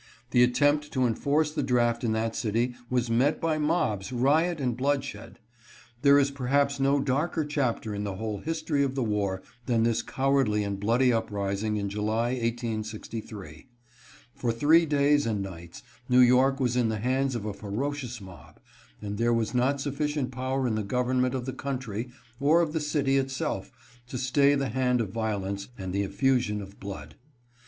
The attempt to enforce the draft in that city was met by mobs, riot, and bloodshed. There is perhaps no darker chapter in the whole history of the war than this cowardly and bloody uprising in July, 1863. For three days and nights New York was in the hands of a ferocious mob, and there was not sufficient power in the government of the country or oi the city itself to stay the hand of violence and the ef fusion of blood.